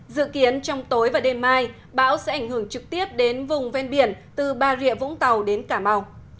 dự kiến trong tối và đêm mai bão sẽ ảnh hưởng trực tiếp đến vùng ven biển từ ba rịa vũng tàu đến cảm âu